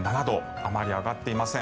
あまり上がっていません。